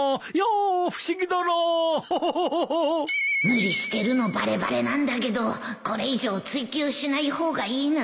無理してるのバレバレなんだけどこれ以上追及しない方がいいな